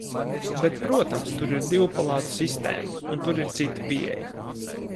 Bet, protams, tur ir divpalātu sistēma, un tur ir cita pieeja.